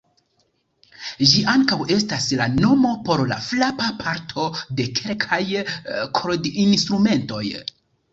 Ĝi ankaŭ estas la nomo por la frapa parto de kelkaj kordinstrumentoj.